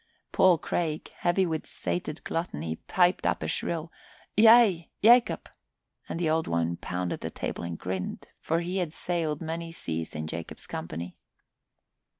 Paul Craig, heavy with sated gluttony, piped a shrill "Yea, Yacob," and the Old One pounded the table and grinned, for he had sailed many seas in Jacob's company.